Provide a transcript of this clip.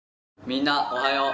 みんなおはよう。